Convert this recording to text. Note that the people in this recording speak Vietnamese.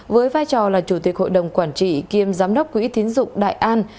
với vai trò là chủ tịch hội đồng quản trị kiêm giám đốc quỹ tín dụng đại an